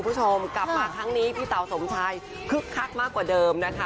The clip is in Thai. คุณผู้ชมกลับมาครั้งนี้พี่เต๋าสมชายคึกคักมากกว่าเดิมนะคะ